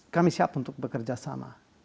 kami siap untuk bekerja sama